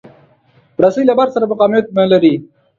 رسۍ له بار سره مقاومت لري.